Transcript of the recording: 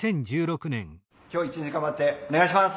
今日一日頑張ってお願いします。